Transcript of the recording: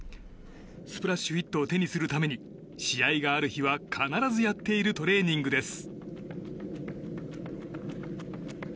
スプラッシュヒットを手にするために試合がある日は必ずやっているトレーニングです。